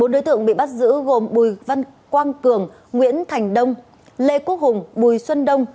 bốn đối tượng bị bắt giữ gồm bùi văn quang cường nguyễn thành đông lê quốc hùng bùi xuân đông